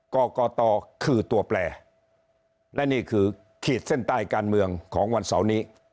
กรกตคือตัวแปลและนี่คือขีดเส้นใต้การเมืองของวันเสาร์นี้